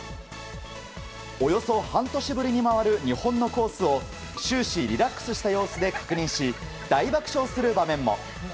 およそ半年ぶりに回る日本のコースを終始リラックスした様子で確認し大爆笑する場面も。